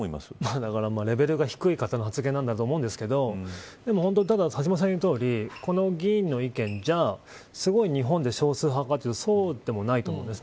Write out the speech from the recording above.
だからレベルの低い方の発言なんだと思うんですけど本当に橋下さんの言うとおりこの議員の意見が日本ですごい少数派かというとそうでもないと思うんです。